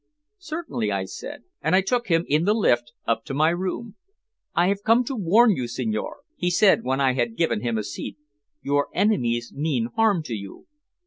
"Certainly," I said, and I took him in the lift up to my room. "I have come to warn you, signore," he said, when I had given him a seat. "Your enemies mean harm to you."